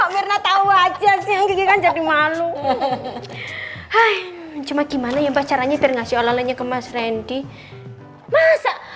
makna tahu aja sih jadi malu hai cuma gimana ya pacarnya terganti olahnya kemas rendi masa